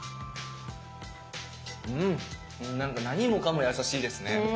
うんなんか何もかも優しいですね。